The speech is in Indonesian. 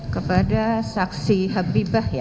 kepada saksi habibah ya